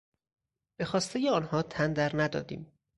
به خواسته آنها تن در ندادیم.